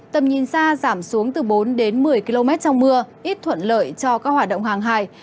tầm nhìn xa giảm xuống từ bốn đến một mươi km trong mưa ít thuận lợi cho các hoạt động hàng hài